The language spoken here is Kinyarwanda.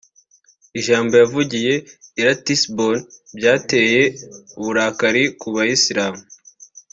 Ijambo yavugiye I Ratisbonne ryateye uburakari ku bayisilamu